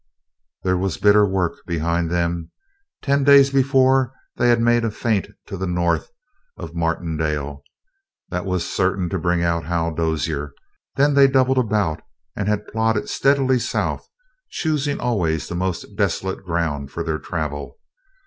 There was bitter work behind them. Ten days before they had made a feint to the north of Martindale that was certain to bring out Hal Dozier; then they doubled about and had plodded steadily south, choosing always the most desolate ground for their travel.